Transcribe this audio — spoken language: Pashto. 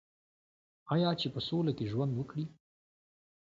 آیا چې په سوله کې ژوند وکړي؟